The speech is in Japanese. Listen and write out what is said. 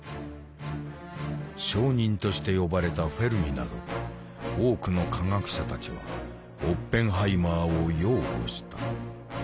証人として呼ばれたフェルミなど多くの科学者たちはオッペンハイマーを擁護した。